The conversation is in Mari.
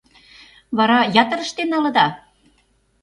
Вара ятыр ыштен налыда?